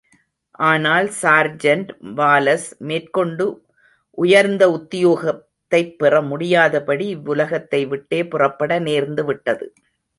ஆனால் sergeant Wallace மேற்கொண்டு உயர்ந்த உத்தியோகத்தைப் பெறமுடியாதபடி இவ்வுலகத்தை விட்டே புறப்பட நேர்ந்து விட்டது.